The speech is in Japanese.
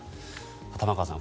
玉川さん